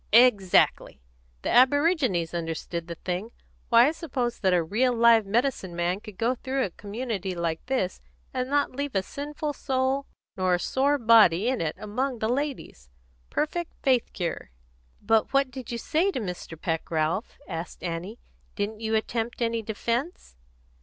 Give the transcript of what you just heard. "Exactly! The aborigines understood the thing. Why, I suppose that a real live medicine man could go through a community like this and not leave a sinful soul nor a sore body in it among the ladies perfect faith cure." "But what did you say to Mr. Peck, Ralph?" asked Annie. "Didn't you attempt any defence?"